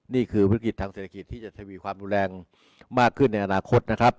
นี่คือภาพฤกฤติทางเศรษฐกิจที่จะสะดวกความดูแลงมากขึ้นในอนาคต